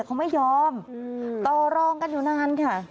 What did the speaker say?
เขาไม่ยอมต่อรองกันอยู่นานค่ะ